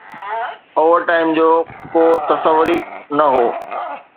Over time جو ڪو تصور ئي نه هو.